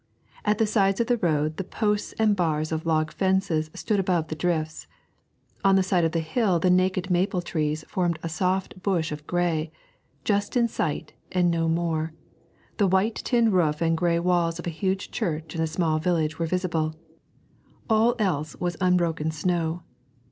At the sides of the road the posts and bars of log fences stood above the drifts; on the side of the hill the naked maple trees formed a soft brush of grey; just in sight, and no more, the white tin roof and grey walls of a huge church and a small village were visible; all else was unbroken snow.